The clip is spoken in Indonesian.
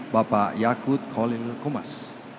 bapak yakut khalil komas